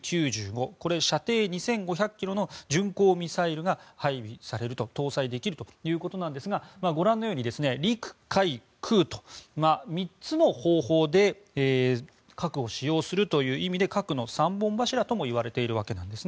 これは射程２５００ｋｍの巡航ミサイルが搭載できるということですがご覧のように、陸海空と３つの方法で核を使用するという意味で核の三本柱といわれています。